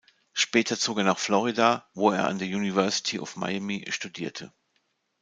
Später zog er nach Florida, wo er an der University of Miami studierte.